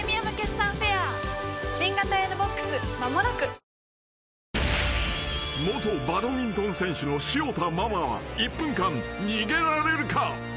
本麒麟［元バドミントン選手の潮田ママは１分間逃げられるか？］